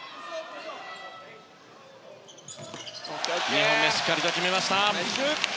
２本目、しっかりと決めました。